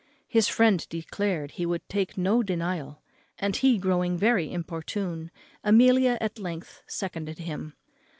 His friend declared he would take no denial, and he growing very importunate, Amelia at length seconded him.